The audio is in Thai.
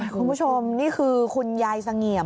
คุณผู้ชมนี่คือคุณยายเสงี่ยม